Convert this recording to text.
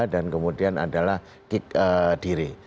dan kemudian adalah kick diri